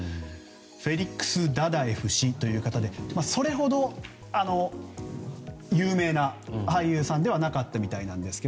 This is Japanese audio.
フェリクス・ダダエフ氏という方で、それほど有名な俳優さんではなかったみたいなんですが。